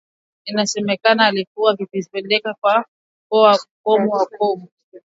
inasemekana alikuwa akizipeleka kwa wanamgambo katika mkoa wa Kobu